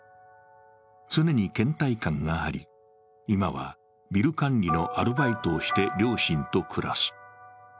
常にけん怠感があり、今はビル管理のアルバイトをして両親と暮らす。